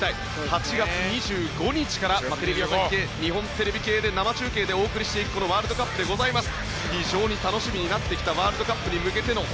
８月２５日からテレビ朝日系、日本テレビ系で生中継でお送りしていくワールドカップでございます。